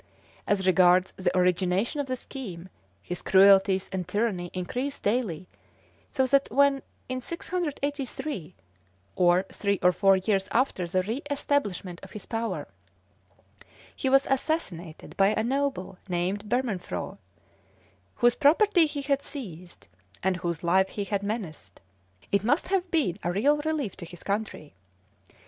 As regards the originator of the scheme, his cruelties and tyranny increased daily, so that when in 683, or three or four years after the re establishment of his power, he was assassinated by a noble named Bermenfroy, whose property he had seized, and whose life he had menaced, it must have been a real relief to his country.